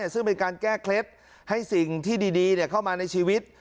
ซึ่งเป็นการแก้เคล็ดให้สิ่งที่ดีเข้ามาในชีวิต